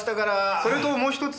それともう一つ。